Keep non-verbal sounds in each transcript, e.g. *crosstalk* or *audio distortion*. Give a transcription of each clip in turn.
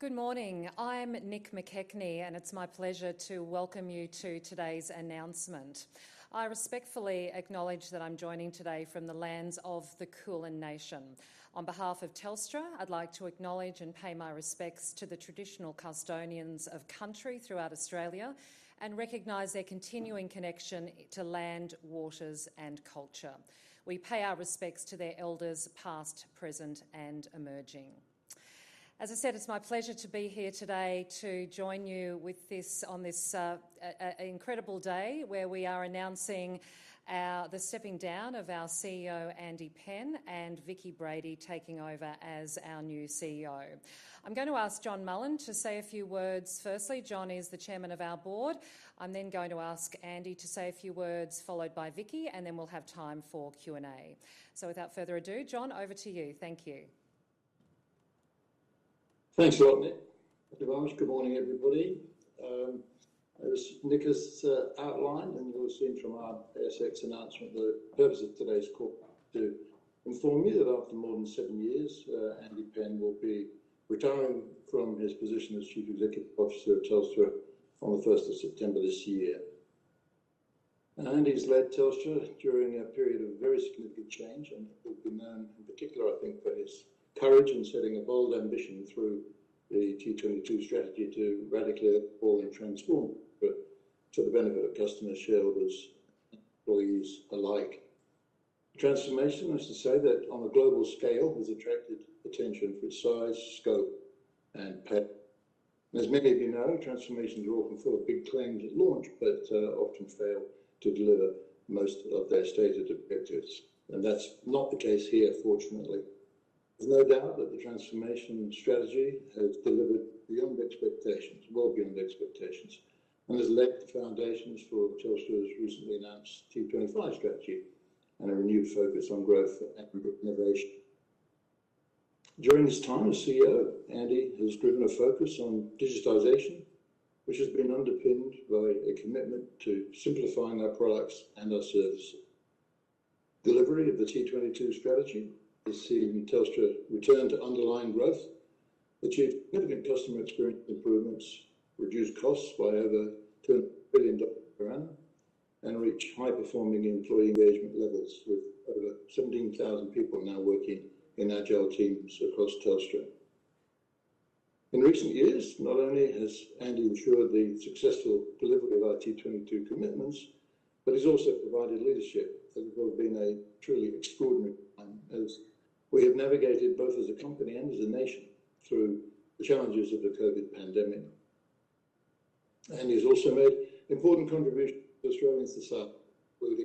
Good morning. I'm Nic McKechnie, and it's my pleasure to welcome you to today's announcement. I respectfully acknowledge that I'm joining today from the lands of the Kulin Nation. On behalf of Telstra, I'd like to acknowledge and pay my respects to the traditional custodians of Country throughout Australia, and recognize their continuing connection to land, waters, and culture. We pay our respects to their Elders, past, present, and emerging. As I said, it's my pleasure to be here today to join you with this, on this, incredible day, where we are announcing the stepping down of our CEO, Andy Penn, and Vicki Brady taking over as our new CEO. I'm going to ask John Mullen to say a few words firstly. John is the chairman of our board. I'm then going to ask Andy to say a few words, followed by Vicki, and then we'll have time for Q&A. So without further ado, John, over to you. Thank you. Thanks a lot, Nic. Good morning, everybody. As Nic has outlined, and you will have seen from our ASX announcement, the purpose of today's call to inform you that after more than seven years, Andy Penn will be retiring from his position as Chief Executive Officer of Telstra on the first of September this year. And Andy's led Telstra during a period of very significant change, and he'll be known, in particular, I think, for his courage in setting a bold ambition through the T22 strategy to radically evolve and transform, but to the benefit of customers, shareholders, employees alike. Transformation, I must say that on a global scale, has attracted attention for its size, scope, and. *audio distortion* As many of you know, transformations are often full of big claims at launch, but often fail to deliver most of their stated objectives, and that's not the case here, fortunately. There's no doubt that the transformation strategy has delivered beyond expectations, well beyond expectations, and has laid the foundations for Telstra's recently announced T25 strategy and a renewed focus on growth and innovation. During his time as CEO, Andy has driven a focus on digitization, which has been underpinned by a commitment to simplifying our products and our services. Delivery of the T22 strategy has seen Telstra return to underlying growth, achieve significant customer experience improvements, reduce costs by over AUD 2 billion per annum, and reach high-performing employee engagement levels, with over 17,000 people now working in Agile teams across Telstra. In recent years, not only has Andy ensured the successful delivery of our T22 commitments, but he's also provided leadership that has been a truly extraordinary time as we have navigated, both as a company and as a nation, through the challenges of the COVID pandemic. Andy has also made important contributions to Australia first, whether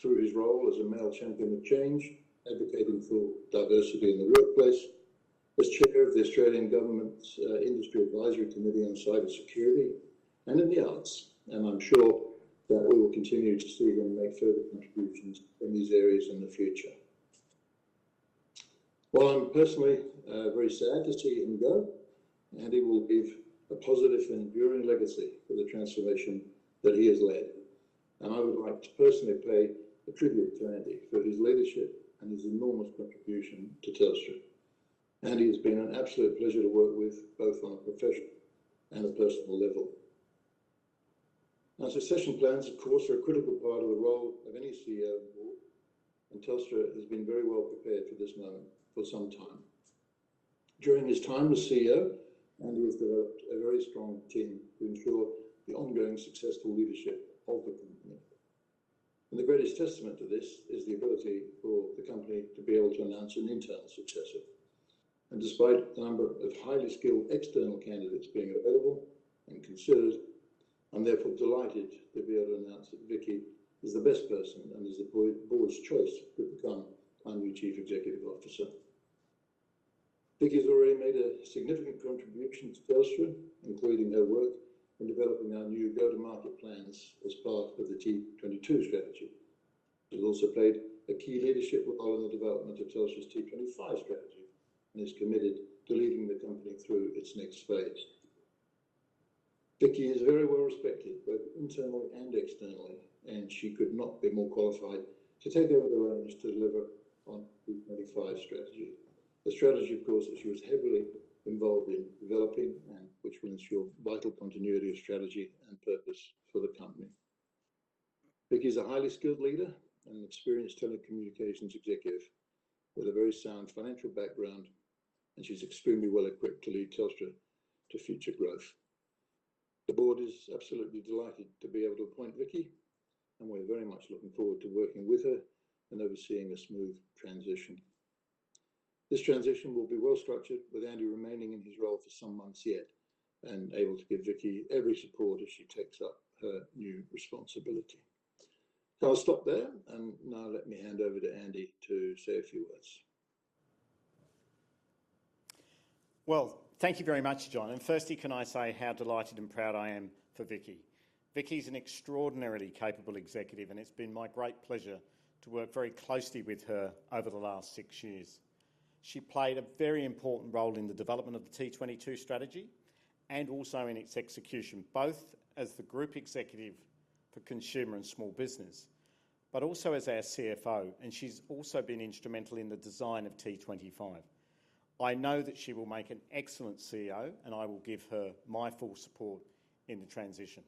through his role as a Male Champion of Change, advocating for diversity in the workplace, as Chair of the Australian Government's Industry Advisory Committee on Cyber Security, and in the arts. I'm sure that we will continue to see him make further contributions in these areas in the future. While I'm personally very sad to see him go, Andy will leave a positive and enduring legacy for the transformation that he has led. And I would like to personally pay a tribute to Andy for his leadership and his enormous contribution to Telstra. Andy, it's been an absolute pleasure to work with, both on a professional and a personal level. Now, succession plans, of course, are a critical part of the role of any CEO, and Telstra has been very well prepared for this moment for some time. During his time as CEO, Andy has developed a very strong team to ensure the ongoing successful leadership of the company. The greatest testament to this is the ability for the company to be able to announce an internal successor. Despite the number of highly skilled external candidates being available and considered, I'm therefore delighted to be able to announce that Vicki is the best person and is the board's choice to become our new Chief Executive Officer. Vicki has already made a significant contribution to Telstra, including her work in developing our new go-to-market plans as part of the T22 strategy. She's also played a key leadership role in the development of Telstra's T25 strategy and is committed to leading the company through its next phase. Vicki is very well respected, both internally and externally, and she could not be more qualified to take over the reins to deliver on T25 strategy. A strategy, of course, that she was heavily involved in developing and which will ensure vital continuity of strategy and purpose for the company. Vicki is a highly skilled leader and an experienced telecommunications executive with a very sound financial background, and she's extremely well equipped to lead Telstra to future growth. The board is absolutely delighted to be able to appoint Vicki, and we're very much looking forward to working with her and overseeing a smooth transition. This transition will be well-structured, with Andy remaining in his role for some months yet and able to give Vicki every support as she takes up her new responsibility. So I'll stop there, and now let me hand over to Andy to say a few words. Well, thank you very much, John, and firstly, can I say how delighted and proud I am for Vicki? Vicki is an extraordinarily capable executive, and it's been my great pleasure to work very closely with her over the last six years. She played a very important role in the development of the T22 strategy and also in its execution, both as the Group Executive for Consumer and Small Business, but also as our CFO, and she's also been instrumental in the design of T25. I know that she will make an excellent CEO, and I will give her my full support in the transition.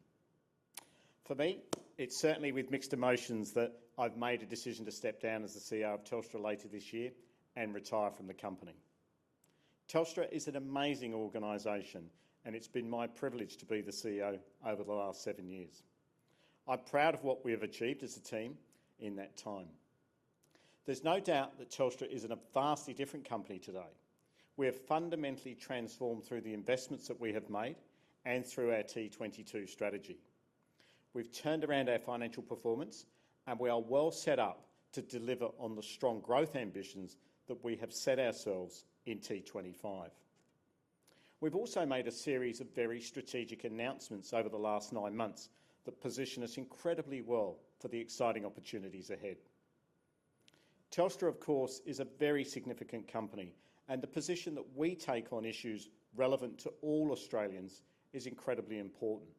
For me, it's certainly with mixed emotions that I've made a decision to step down as the CEO of Telstra later this year and retire from the company. Telstra is an amazing organization, and it's been my privilege to be the CEO over the last seven years. I'm proud of what we have achieved as a team in that time. There's no doubt that Telstra is in a vastly different company today. We have fundamentally transformed through the investments that we have made and through our T22 strategy. We've turned around our financial performance, and we are well set up to deliver on the strong growth ambitions that we have set ourselves in T25. We've also made a series of very strategic announcements over the last nine months that position us incredibly well for the exciting opportunities ahead. Telstra, of course, is a very significant company, and the position that we take on issues relevant to all Australians is incredibly important.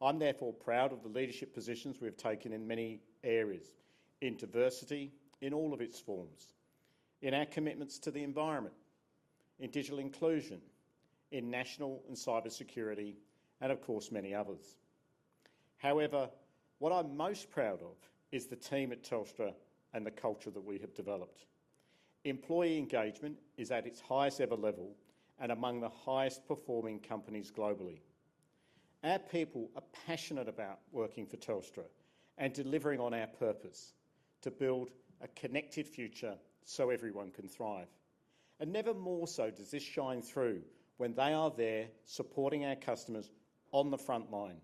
I'm therefore proud of the leadership positions we have taken in many areas: in diversity, in all of its forms, in our commitments to the environment, in digital inclusion, in national and cybersecurity, and of course, many others. However, what I'm most proud of is the team at Telstra and the culture that we have developed. Employee engagement is at its highest-ever level and among the highest-performing companies globally. Our people are passionate about working for Telstra and delivering on our purpose: to build a connected future so everyone can thrive. And never more so does this shine through when they are there supporting our customers on the frontline,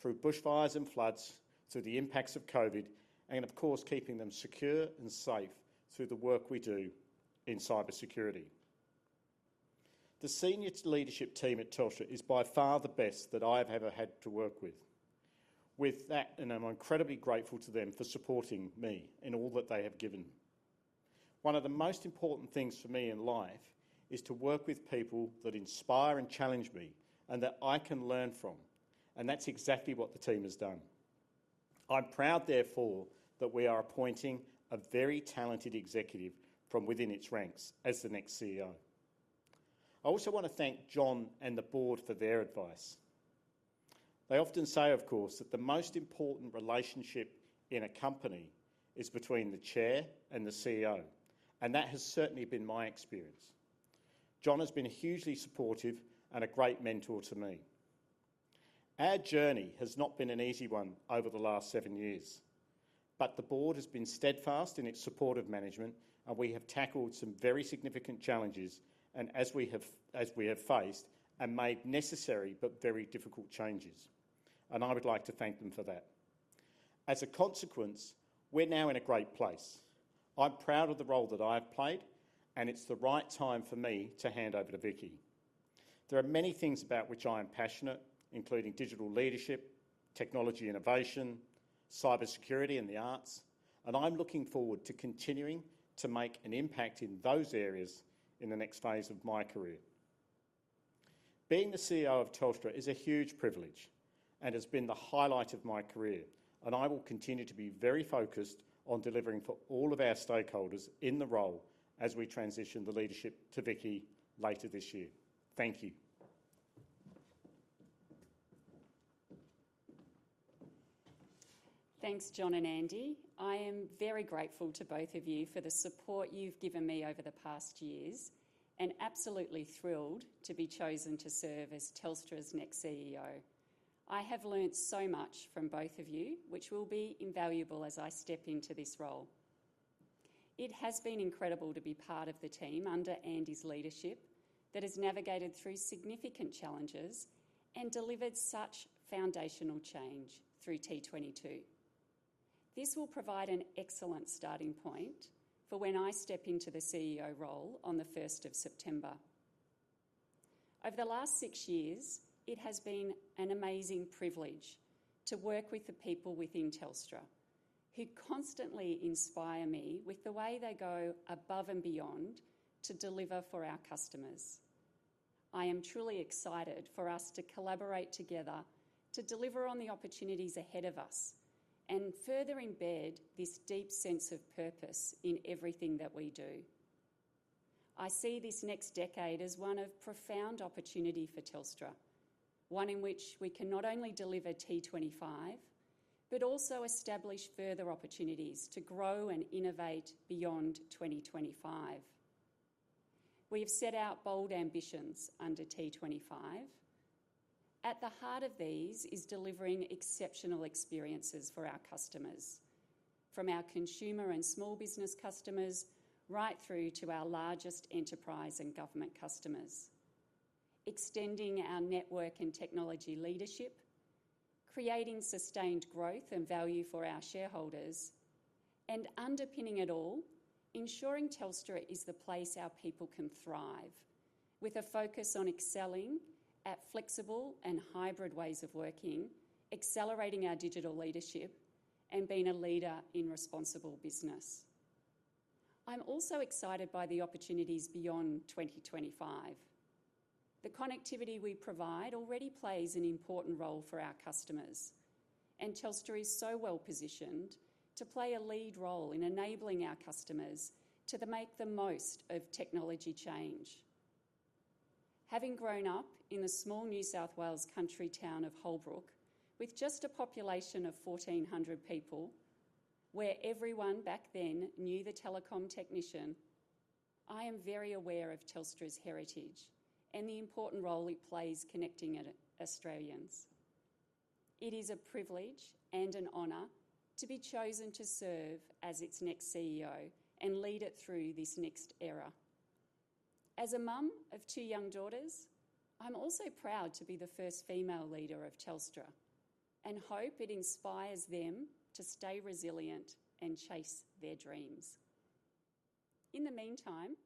through bushfires and floods, through the impacts of COVID, and of course, keeping them secure and safe through the work we do in cybersecurity. The senior leadership team at Telstra is by far the best that I've ever had to work with. With that, and I'm incredibly grateful to them for supporting me in all that they have given. One of the most important things for me in life is to work with people that inspire and challenge me and that I can learn from, and that's exactly what the team has done. I'm proud, therefore, that we are appointing a very talented executive from within its ranks as the next CEO. I also wanna thank John and the board for their advice. They often say, of course, that the most important relationship in a company is between the chair and the CEO, and that has certainly been my experience. John has been hugely supportive and a great mentor to me. Our journey has not been an easy one over the last seven years, but the board has been steadfast in its support of management, and we have tackled some very significant challenges, and as we have faced and made necessary but very difficult changes, and I would like to thank them for that. As a consequence, we're now in a great place. I'm proud of the role that I have played, and it's the right time for me to hand over to Vicki. There are many things about which I am passionate, including digital leadership, technology innovation, cybersecurity, and the arts, and I'm looking forward to continuing to make an impact in those areas in the next phase of my career. Being the CEO of Telstra is a huge privilege and has been the highlight of my career, and I will continue to be very focused on delivering for all of our stakeholders in the role as we transition the leadership to Vicki later this year. Thank you. Thanks, John and Andy. I am very grateful to both of you for the support you've given me over the past years and absolutely thrilled to be chosen to serve as Telstra's next CEO. I have learned so much from both of you, which will be invaluable as I step into this role. It has been incredible to be part of the team under Andy's leadership that has navigated through significant challenges and delivered such foundational change through T22. This will provide an excellent starting point for when I step into the CEO role on the first of September. Over the last six years, it has been an amazing privilege to work with the people within Telstra, who constantly inspire me with the way they go above and beyond to deliver for our customers. I am truly excited for us to collaborate together to deliver on the opportunities ahead of us and further embed this deep sense of purpose in everything that we do. I see this next decade as one of profound opportunity for Telstra, one in which we can not only deliver T25 but also establish further opportunities to grow and innovate beyond 2025. We have set out bold ambitions under T25. At the heart of these is delivering exceptional experiences for our customers, from our consumer and small business customers right through to our largest enterprise and government customers, extending our network and technology leadership, creating sustained growth and value for our shareholders, and underpinning it all, ensuring Telstra is the place our people can thrive, with a focus on excelling at flexible and hybrid ways of working, accelerating our digital leadership, and being a leader in responsible business. I'm also excited by the opportunities beyond 2025. The connectivity we provide already plays an important role for our customers, and Telstra is so well positioned to play a lead role in enabling our customers to make the most of technology change. Having grown up in the small New South Wales country town of Holbrook, with just a population of 1,400 people, where everyone back then knew the telecom technician, I am very aware of Telstra's heritage and the important role it plays connecting Australians. It is a privilege and an honor to be chosen to serve as its next CEO and lead it through this next era. As a mom of two young daughters, I'm also proud to be the first female leader of Telstra and hope it inspires them to stay resilient and chase their dreams. In the meantime,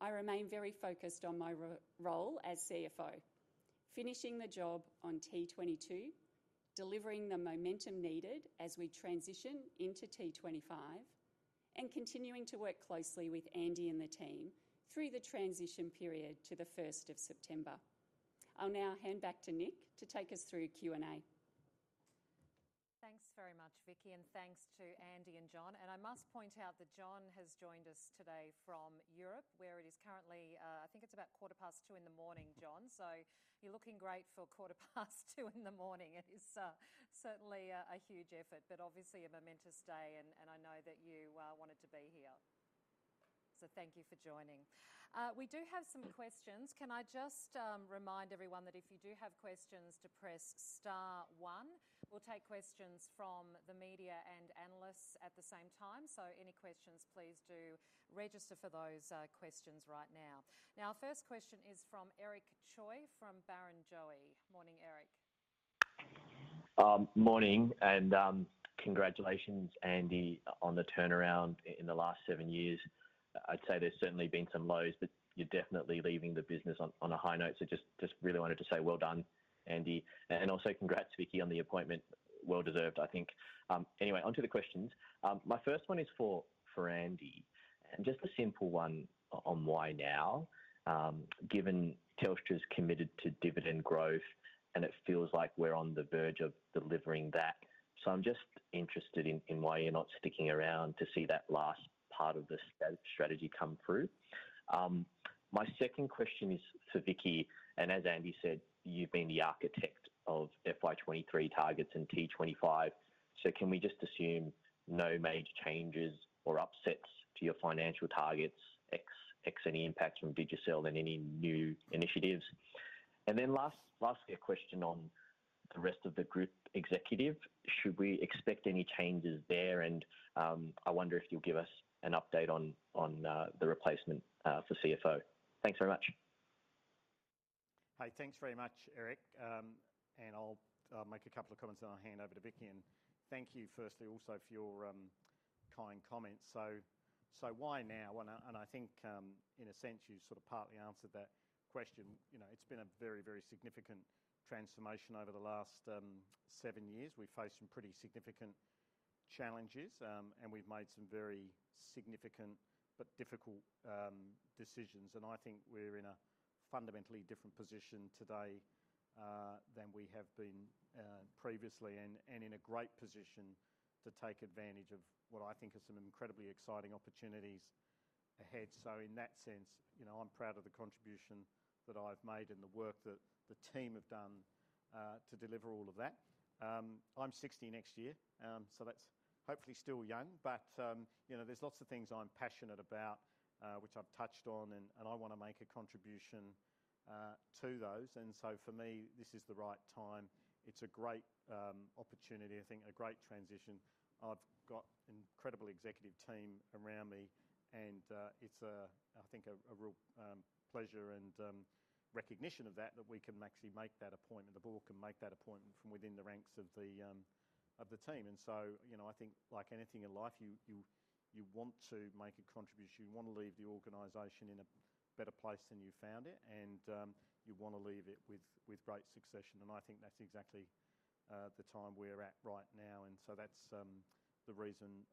I remain very focused on my role as CFO, finishing the job on T22, delivering the momentum needed as we transition into T25, and continuing to work closely with Andy and the team through the transition period to the first of September. I'll now hand back to Nic to take us through Q&A. Thanks very much, Vicki, and thanks to Andy and John. I must point out that John has joined us today from Europe, where it is currently, I think it's about 2:15 A.M., John, so you're looking great for 2:15 A.M. It is certainly a huge effort, but obviously a momentous day, and I know that you wanted to be here. Thank you for joining. We do have some questions. Can I just remind everyone that if you do have questions, to press star one. We'll take questions from the media and analysts at the same time, so any questions, please do register for those questions right now. Now, our first question is from Eric Choi, from Barrenjoey. Morning, Eric. Morning, and congratulations, Andy, on the turnaround in the last seven years. I'd say there's certainly been some lows, but you're definitely leaving the business on a high note. So just really wanted to say well done, Andy, and also congrats, Vicki, on the appointment. Well deserved, I think. Anyway, onto the questions. My first one is for Andy, and just a simple one on why now, given Telstra's committed to dividend growth, and it feels like we're on the verge of delivering that. So I'm just interested in why you're not sticking around to see that last part of the strategy come through. My second question is for Vicki, and as Andy said, you've been the architect of FY 2023 targets and T25, so can we just assume no major changes or upsets to your financial targets, ex any impact from Digicel and any new initiatives? And then last, lastly, a question on the rest of the group executive: Should we expect any changes there? And I wonder if you'll give us an update on the replacement for CFO. Thanks very much. Hi, thanks very much, Eric. And I'll make a couple of comments, and I'll hand over to Vicki. And thank you, firstly, also for your kind comments. So why now? And I think, in a sense, you sort of partly answered that question. You know, it's been a very, very significant transformation over the last seven years. We've faced some pretty significant challenges, and we've made some very significant but difficult decisions, and I think we're in a fundamentally different position today than we have been previously, and in a great position to take advantage of what I think are some incredibly exciting opportunities ahead. So in that sense, you know, I'm proud of the contribution that I've made and the work that the team have done to deliver all of that. I'm 60 next year, so that's hopefully still young. But, you know, there's lots of things I'm passionate about, which I've touched on, and I want to make a contribution to those. And so for me, this is the right time. It's a great opportunity, I think, a great transition. I've got incredible executive team around me, and it's a, I think, a real pleasure and recognition of that, that we can actually make that appointment, the board can make that appointment from within the ranks of the team. And so, you know, I think like anything in life, you want to make a contribution. You want to leave the organization in a better place than you found it, and you want to leave it with great succession, and I think that's exactly the time we're at right now, and so that's the reason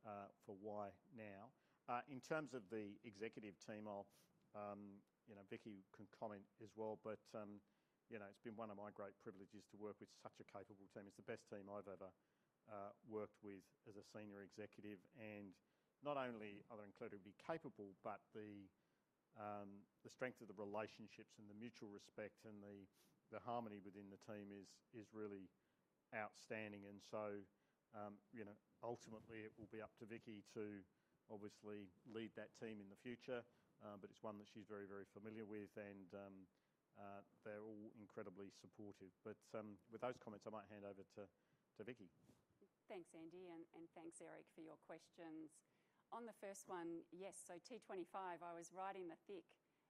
for why now. In terms of the executive team, I'll... you know, Vicki can comment as well, but you know, it's been one of my great privileges to work with such a capable team. It's the best team I've ever worked with as a senior executive, and not only are they incredibly capable, but the strength of the relationships and the mutual respect and the harmony within the team is really outstanding. And so, you know, ultimately it will be up to Vicki to obviously lead that team in the future. But it's one that she's very, very familiar with, and they're all incredibly supportive. But with those comments, I might hand over to Vicki. Thanks, Andy, and thanks, Eric, for your questions. On the first one, yes, so T25, I was right in the thick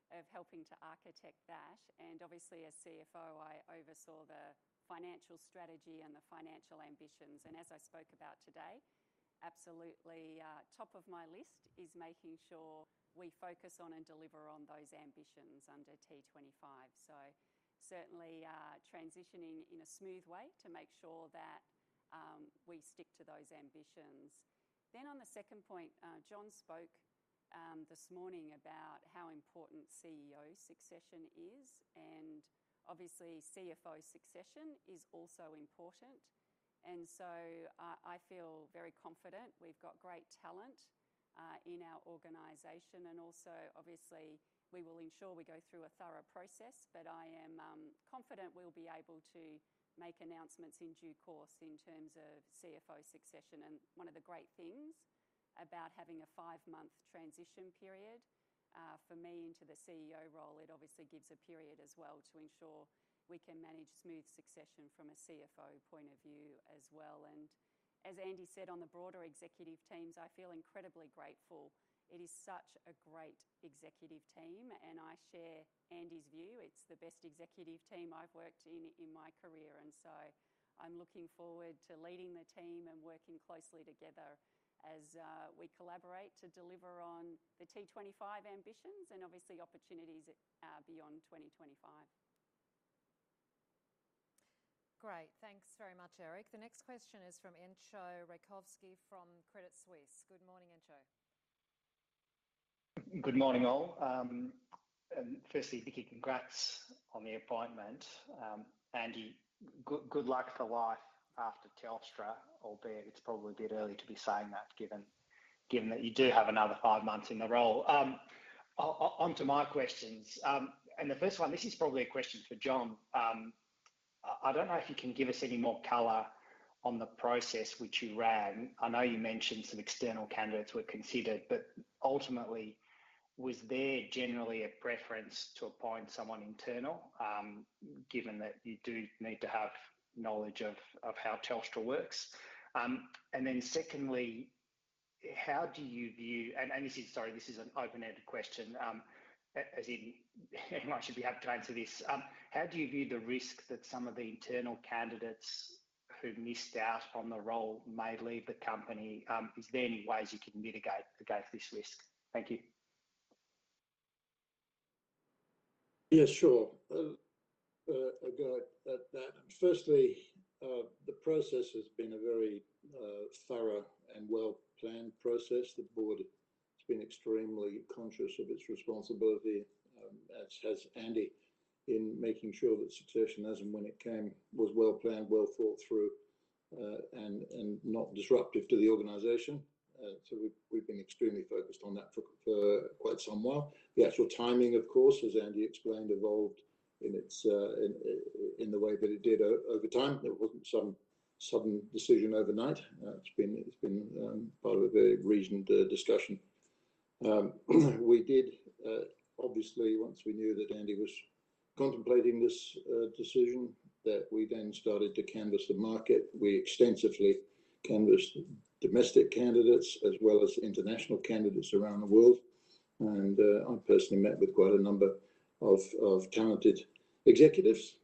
of helping to architect that, and obviously, as CFO, I oversaw the financial strategy and the financial ambitions. And as I spoke about today, absolutely, top of my list is making sure we focus on and deliver on those ambitions under T25. So certainly, transitioning in a smooth way to make sure that we stick to those ambitions. Then on the second point, John spoke this morning about how important CEO succession is, and obviously, CFO succession is also important. And so, I feel very confident. We've got great talent in our organization, and also, obviously, we will ensure we go through a thorough process. But I am confident we'll be able to make announcements in due course in terms of CFO succession. One of the great things about having a five-month transition period for me into the CEO role, it obviously gives a period as well to ensure we can manage smooth succession from a CFO point of view as well. As Andy said, on the broader executive teams, I feel incredibly grateful. It is such a great executive team, and I share Andy's view. It's the best executive team I've worked in, in my career, and so I'm looking forward to leading the team and working closely together as we collaborate to deliver on the T25 ambitions and obviously opportunities beyond 2025. Great. Thanks very much, Eric. The next question is from Entcho Raykovski from Credit Suisse. Good morning, Entcho. Good morning, all. And firstly, Vicki, congrats on the appointment. Andy, good luck for life after Telstra, albeit it's probably a bit early to be saying that, given that you do have another five months in the role. On to my questions. And the first one, this is probably a question for John. I don't know if you can give us any more color on the process which you ran. I know you mentioned some external candidates were considered, but ultimately, was there generally a preference to appoint someone internal, given that you do need to have knowledge of how Telstra works? And then secondly, how do you view... And this is, sorry, this is an open-ended question, as in anyone should be happy to answer this. How do you view the risk that some of the internal candidates who missed out on the role may leave the company? Is there any ways you can mitigate against this risk? Thank you. Yeah, sure. A go at that. Firstly, the process has been a very thorough and well-planned process. The board has been extremely conscious of its responsibility as Andy in making sure that succession, as and when it came, was well-planned, well thought through, and not disruptive to the organization. So we've been extremely focused on that for quite some while. The actual timing, of course, as Andy explained, evolved in its in the way that it did over time. It wasn't some sudden decision overnight. It's been part of a very reasoned discussion. We did, obviously, once we knew that Andy was contemplating this decision, that we then started to canvass the market. We extensively canvassed domestic candidates as well as international candidates around the world, and I personally met with quite a number of talented executives.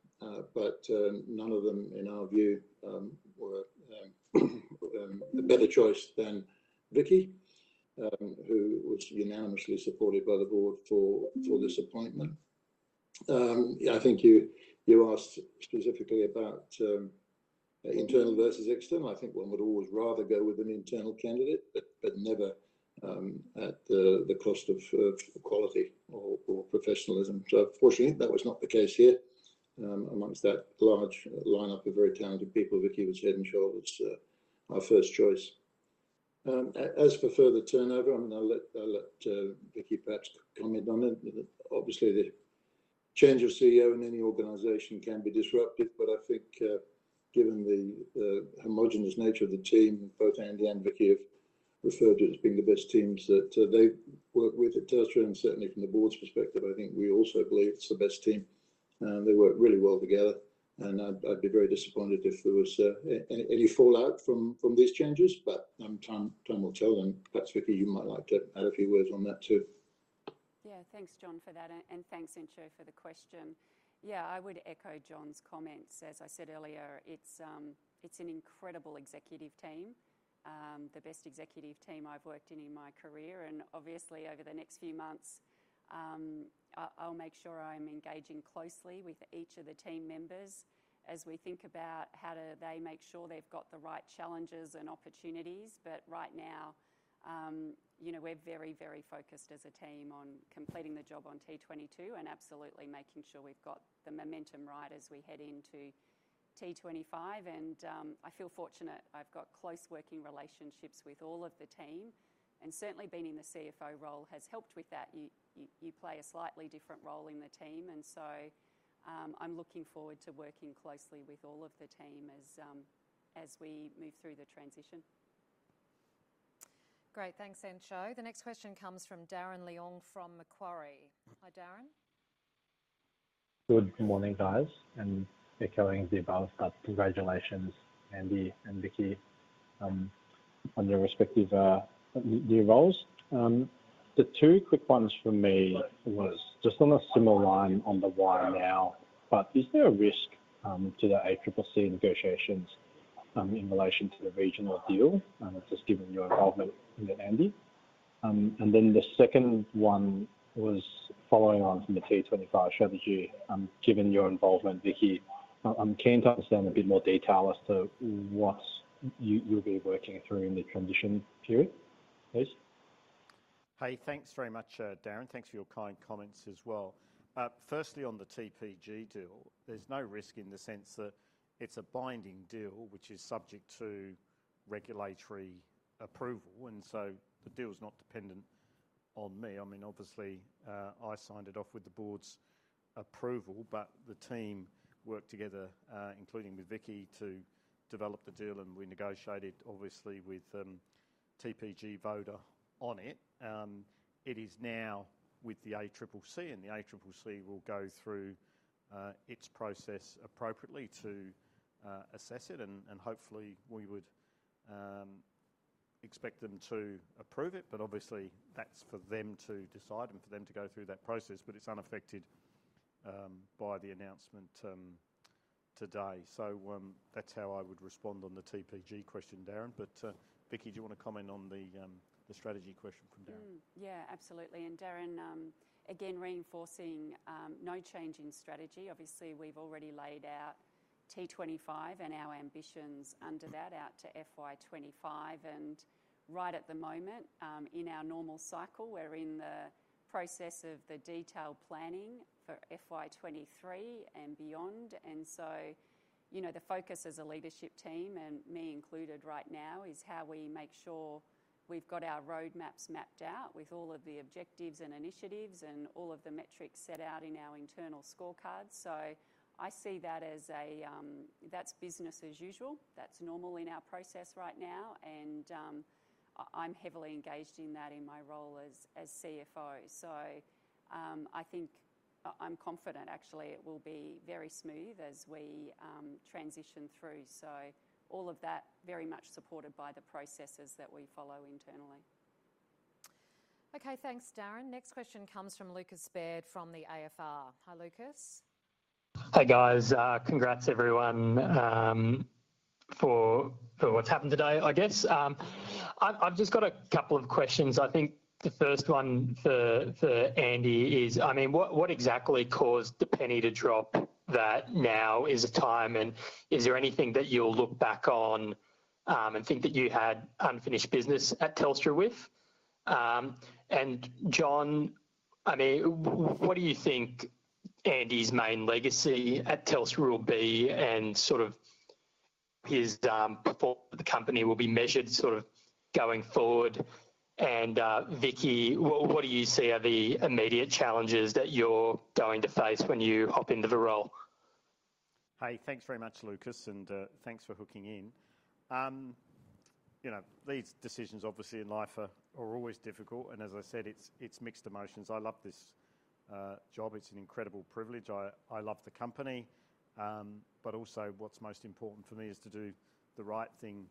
But none of them, in our view, were a better choice than Vicki, who was unanimously supported by the board for this appointment. Yeah, I think you asked specifically about internal versus external. I think one would always rather go with an internal candidate, but never at the cost of quality or professionalism. So fortunately, that was not the case here. Amongst that large lineup of very talented people, Vicki was head and shoulders our first choice. As for further turnover, I'm gonna let Vicki perhaps comment on it. Obviously, the change of CEO in any organization can be disruptive, but I think, given the homogeneous nature of the team, both Andy and Vicki have referred to as being the best teams that they've worked with at Telstra, and certainly from the board's perspective, I think we also believe it's the best team. They work really well together, and I'd be very disappointed if there was any fallout from these changes, but time will tell, and perhaps, Vicki, you might like to add a few words on that, too. Yeah, thanks, John, for that, and thanks, Entcho, for the question. Yeah, I would echo John's comments. As I said earlier, it's an incredible executive team, the best executive team I've worked in in my career, and obviously, over the next few months, I'll make sure I'm engaging closely with each of the team members as we think about how do they make sure they've got the right challenges and opportunities. But right now, you know, we're very, very focused as a team on completing the job on T22 and absolutely making sure we've got the momentum right as we head into T25. And, I feel fortunate I've got close working relationships with all of the team, and certainly being in the CFO role has helped with that. You play a slightly different role in the team, and so, I'm looking forward to working closely with all of the team as we move through the transition. Great. Thanks, Entcho. The next question comes from Darren Leung from Macquarie. Hi, Darren. Good morning, guys, and echoing the above, but congratulations, Andy and Vicki, on your respective new roles. The two quick ones from me was just on a similar line on the why now, but is there a risk to the ACCC negotiations in relation to the regional deal? Just given your involvement in it, Andy?... and then the second one was following on from the T25 strategy. Given your involvement, Vicki, I'm keen to understand a bit more detail as to what you, you'll be working through in the transition period. Please. Hey, thanks very much, Darren. Thanks for your kind comments as well. Firstly, on the TPG deal, there's no risk in the sense that it's a binding deal, which is subject to regulatory approval, and so the deal's not dependent on me. I mean, obviously, I signed it off with the board's approval, but the team worked together, including with Vicki, to develop the deal, and we negotiated obviously with TPG Vodafone on it. It is now with the ACCC, and the ACCC will go through its process appropriately to assess it, and hopefully we would expect them to approve it. But obviously, that's for them to decide and for them to go through that process, but it's unaffected by the announcement today. So, that's how I would respond on the TPG question, Darren. But, Vicki, do you want to comment on the strategy question from Darren? Yeah, absolutely. And Darren, again, reinforcing no change in strategy. Obviously, we've already laid out T25 and our ambitions under that out to FY 2025, and right at the moment, in our normal cycle, we're in the process of the detailed planning for FY 2023 and beyond. And so, you know, the focus as a leadership team, and me included right now, is how we make sure we've got our roadmaps mapped out with all of the objectives and initiatives and all of the metrics set out in our internal scorecard. So I see that as a... That's business as usual. That's normal in our process right now, and I'm heavily engaged in that in my role as CFO. So, I think, I'm confident, actually, it will be very smooth as we transition through, so all of that very much supported by the processes that we follow internally. Okay, thanks, Darren. Next question comes from Lucas Baird from the AFR. Hi, Lucas. Hey, guys. Congrats everyone for what's happened today, I guess. I've just got a couple of questions. I think the first one for Andy is, I mean, what exactly caused the penny to drop that now is the time, and is there anything that you'll look back on and think that you had unfinished business at Telstra with? And John, I mean, what do you think Andy's main legacy at Telstra will be, and sort of his performance with the company will be measured sort of going forward? And Vicki, what do you see are the immediate challenges that you're going to face when you hop into the role? Hey, thanks very much, Lucas, and thanks for hooking in. You know, these decisions, obviously, in life are always difficult, and as I said, it's mixed emotions. I love this job. It's an incredible privilege. I love the company. But also, what's most important for me is to do the right thing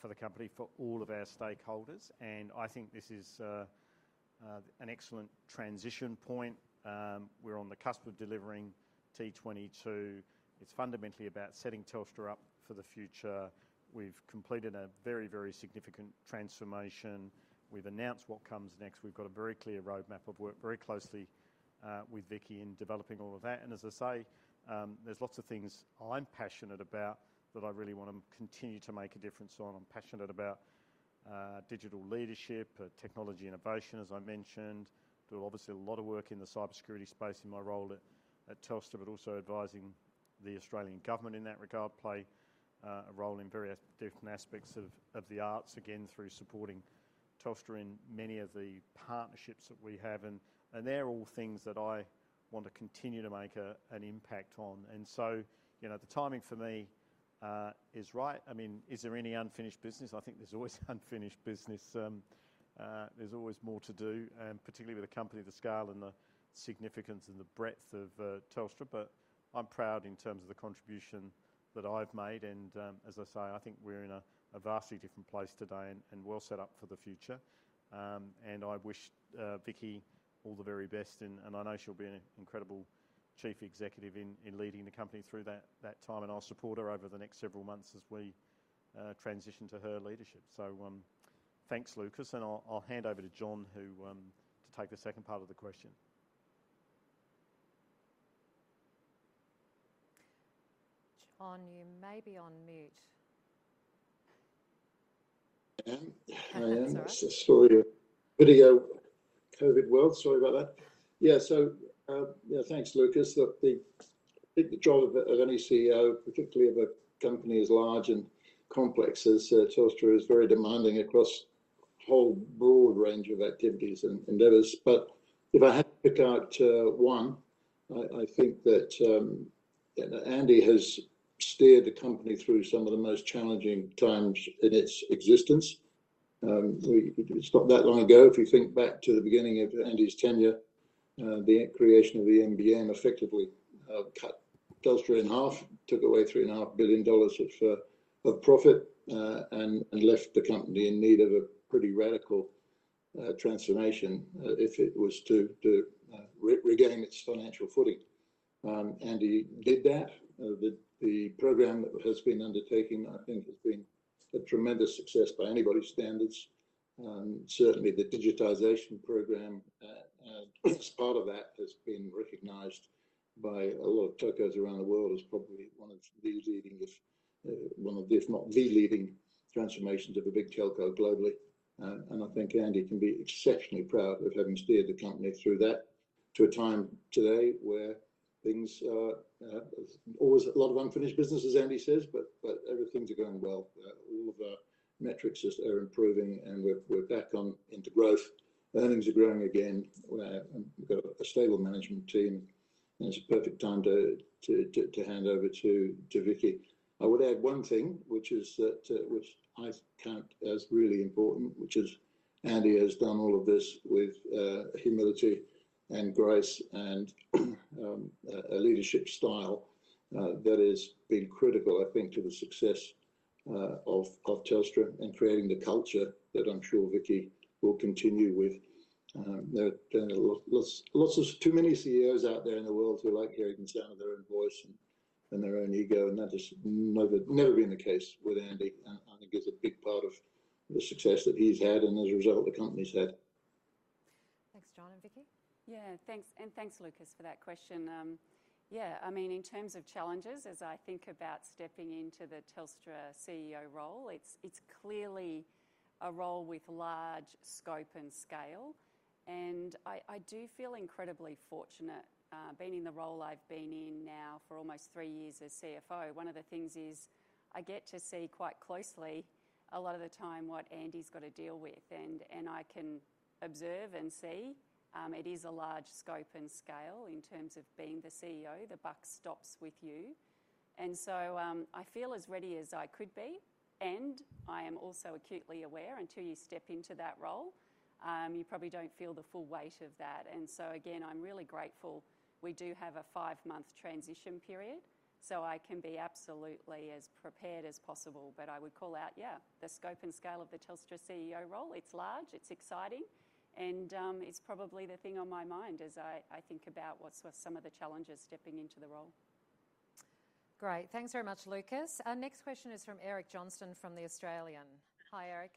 for the company, for all of our stakeholders, and I think this is an excellent transition point. We're on the cusp of delivering T22. It's fundamentally about setting Telstra up for the future. We've completed a very, very significant transformation. We've announced what comes next. We've got a very clear roadmap. I've worked very closely with Vicki in developing all of that, and as I say, there's lots of things I'm passionate about that I really want to continue to make a difference on. I'm passionate about digital leadership, technology innovation, as I mentioned. Do obviously a lot of work in the cybersecurity space in my role at Telstra, but also advising the Australian Government in that regard. Play a role in various different aspects of the arts, again, through supporting Telstra in many of the partnerships that we have in, and they're all things that I want to continue to make an impact on. And so, you know, the timing for me is right. I mean, is there any unfinished business? I think there's always unfinished business. There's always more to do, and particularly with a company of the scale and the significance and the breadth of Telstra. But I'm proud in terms of the contribution that I've made, and, as I say, I think we're in a vastly different place today and well set up for the future. And I wish Vicki all the very best, and I know she'll be an incredible Chief Executive in leading the company through that time, and I'll support her over the next several months as we transition to her leadership. So, thanks, Lucas, and I'll hand over to John, who to take the second part of the question. John, you may be on mute. I am. I am. Sorry. It's a slightly video COVID world. Sorry about that. Yeah, so, yeah, thanks, Lucas. Look, I think the job of any CEO, particularly of a company as large and complex as Telstra, is very demanding across a whole broad range of activities and endeavors. But if I had to pick out one, I think that Andy has steered the company through some of the most challenging times in its existence. It's not that long ago, if you think back to the beginning of Andy's tenure, the creation of the NBN effectively cut Telstra in half, took away 3.5 billion dollars of profit, and left the company in need of a pretty radical transformation, if it was to regain its financial footing. Andy did that. The program that has been undertaking, I think, has been a tremendous success by anybody's standards. Certainly, the digitization program, as part of that, has been recognized by a lot of telcos around the world as probably one of the leading, if not the leading transformations of a big telco globally. I think Andy can be exceptionally proud of having steered the company through that to a time today where things are always a lot of unfinished business, as Andy says, but everything's are going well. All of our metrics are improving, and we're back on into growth. Earnings are growing again. We've got a stable management team, and it's a perfect time to hand over to Vicki. I would add one thing, which is that, which I count as really important, which is Andy has done all of this with, humility and grace and, a leadership style, that has been critical, I think, to the success, of Telstra and creating the culture that I'm sure Vicki will continue with. There are too many CEOs out there in the world who like hearing the sound of their own voice and their own ego, and that has never been the case with Andy. And I think it's a big part of the success that he's had, and as a result, the company's had. Thanks, John. And Vicki? Yeah, thanks, and thanks, Lucas, for that question. Yeah, I mean, in terms of challenges, as I think about stepping into the Telstra CEO role, it's clearly a role with large scope and scale. I do feel incredibly fortunate, being in the role I've been in now for almost three years as CFO. One of the things is, I get to see quite closely, a lot of the time, what Andy's got to deal with, and I can observe and see, it is a large scope and scale in terms of being the CEO. The buck stops with you. So, I feel as ready as I could be, and I am also acutely aware until you step into that role, you probably don't feel the full weight of that. And so again, I'm really grateful we do have a five-month transition period, so I can be absolutely as prepared as possible. But I would call out, yeah, the scope and scale of the Telstra CEO role, it's large, it's exciting, and it's probably the thing on my mind as I think about what's some of the challenges stepping into the role. Great. Thanks very much, Lucas. Our next question is from Eric Johnston from The Australian. Hi, Eric.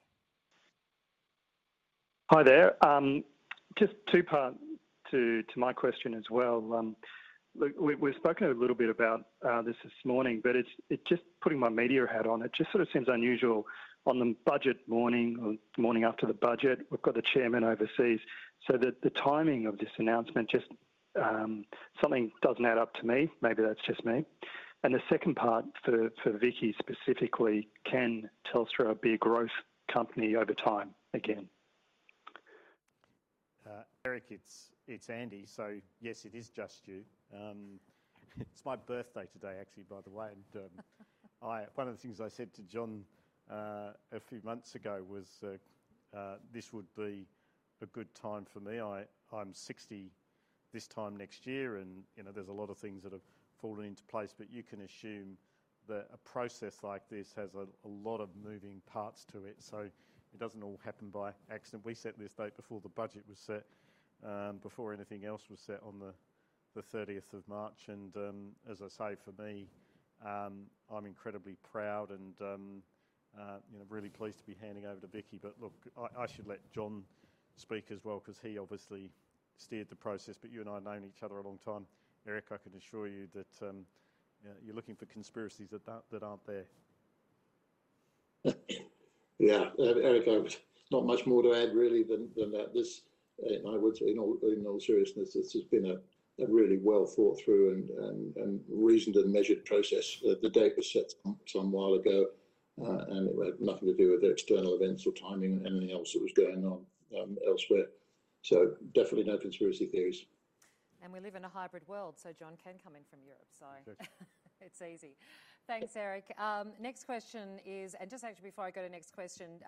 Hi there. Just two parts to my question as well. Look, we've spoken a little bit about this morning, but it's. Just putting my media hat on, it just sort of seems unusual on the budget morning or morning after the budget, we've got the chairman overseas, so the timing of this announcement, just, something doesn't add up to me. Maybe that's just me. And the second part, for Vicki specifically: Can Telstra be a growth company over time again? Eric, it's Andy. So yes, it is just you. It's my birthday today, actually, by the way, and I, one of the things I said to John a few months ago was this would be a good time for me. I'm 60 this time next year, and you know, there's a lot of things that have fallen into place, but you can assume that a process like this has a lot of moving parts to it, so it doesn't all happen by accident. We set this date before the budget was set, before anything else was set on the 30th of March. As I say, for me, I'm incredibly proud and you know, really pleased to be handing over to Vicki. But look, I should let John speak as well, 'cause he obviously steered the process, but you and I have known each other a long time. Eric, I can assure you that you're looking for conspiracies that aren't there. Yeah, Eric, not much more to add, really, than that. This, in my words, in all seriousness, this has been a really well thought through and reasoned and measured process. The date was set some while ago, and it had nothing to do with external events or timing and anything else that was going on, elsewhere. So definitely no conspiracy theories. We live in a hybrid world, so John can come in from Europe. Exactly.... it's easy. Thanks, Eric. And just actually before I go to the next question,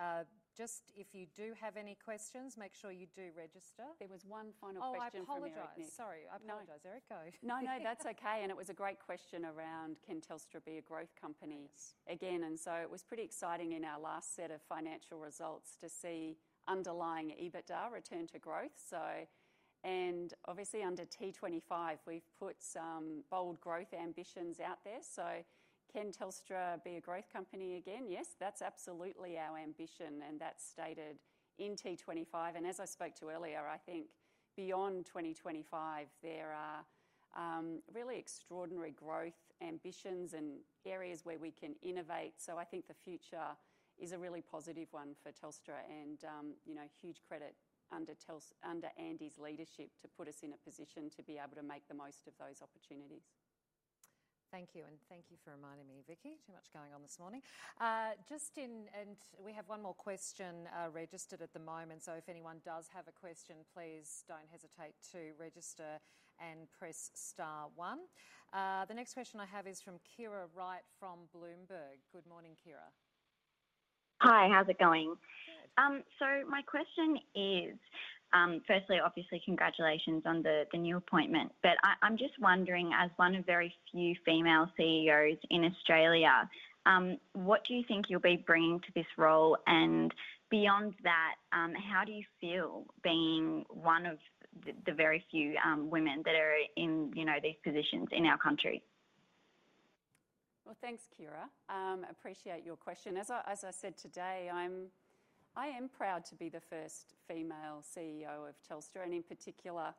just if you do have any questions, make sure you do register. There was one final question from Eric. Oh, I apologize. Sorry, I apologize. No. Eric, go. No, no, that's okay, and it was a great question around, "Can Telstra be a growth company again? Yes. And so it was pretty exciting in our last set of financial results to see underlying EBITDA return to growth. And obviously, under T25, we've put some bold growth ambitions out there. So can Telstra be a growth company again? Yes, that's absolutely our ambition, and that's stated in T25. And as I spoke to earlier, I think beyond 2025, there are really extraordinary growth ambitions and areas where we can innovate. So I think the future is a really positive one for Telstra and, you know, huge credit under Andy's leadership to put us in a position to be able to make the most of those opportunities. Thank you, and thank you for reminding me, Vicki. Too much going on this morning. We have one more question, registered at the moment, so if anyone does have a question, please don't hesitate to register and press star one. The next question I have is from Keira Wright from Bloomberg. Good morning, Keira. Hi, how's it going? Good. So my question is, firstly, obviously, congratulations on the new appointment, but I'm just wondering, as one of very few female CEOs in Australia, what do you think you'll be bringing to this role? And beyond that, how do you feel being one of the very few women that are in, you know, these positions in our country? ... Well, thanks, Keira. Appreciate your question. As I said today, I am proud to be the first female CEO of Telstra, and in particular,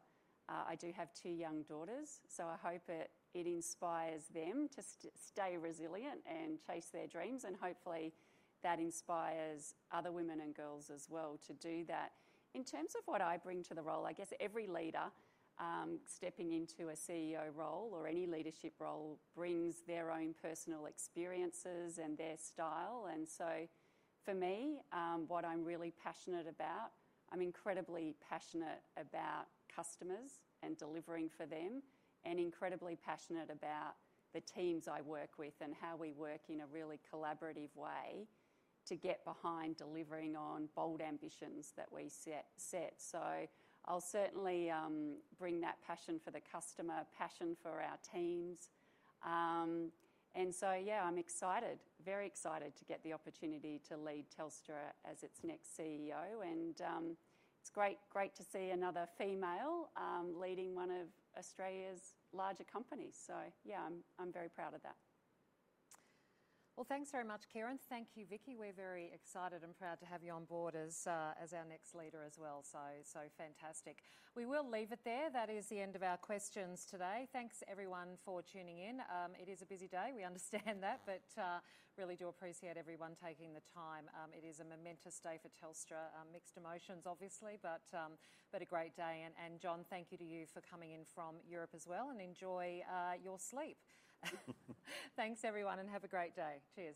I do have two young daughters, so I hope it inspires them to stay resilient and chase their dreams, and hopefully that inspires other women and girls as well to do that. In terms of what I bring to the role, I guess every leader stepping into a CEO role or any leadership role brings their own personal experiences and their style. And so for me, what I'm really passionate about, I'm incredibly passionate about customers and delivering for them, and incredibly passionate about the teams I work with and how we work in a really collaborative way to get behind delivering on bold ambitions that we set. So I'll certainly bring that passion for the customer, passion for our teams. And so yeah, I'm excited, very excited to get the opportunity to lead Telstra as its next CEO, and it's great, great to see another female leading one of Australia's larger companies. So yeah, I'm, I'm very proud of that. Well, thanks very much, Keira, and thank you, Vicki. We're very excited and proud to have you on board as, as our next leader as well. So, so fantastic. We will leave it there. That is the end of our questions today. Thanks, everyone, for tuning in. It is a busy day, we understand that, but, really do appreciate everyone taking the time. It is a momentous day for Telstra. Mixed emotions, obviously, but, but a great day. And, and John, thank you to you for coming in from Europe as well, and enjoy, your sleep. Thanks, everyone, and have a great day. Cheers!